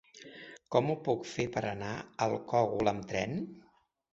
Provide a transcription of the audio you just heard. Com ho puc fer per anar al Cogul amb tren?